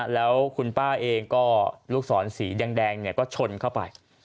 แล้วคุณป้าเองก็ลูกศรสีแดงก็ชนเข้าไป